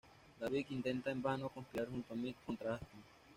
Davies intenta, en vano, conspirar junto a Mick contra Aston.